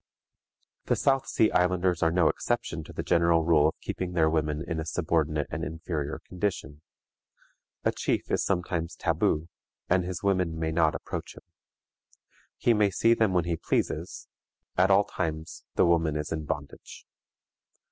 The South Sea Islanders are no exception to the general rule of keeping their women in a subordinate and inferior condition. A chief is sometimes taboo, and his women may not approach him; he may see them when he pleases; at all times the woman is in bondage.